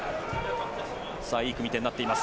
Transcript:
いい組み手になっています。